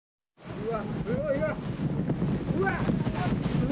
うわ！